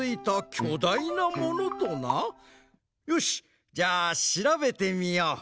よしじゃあしらべてみよう。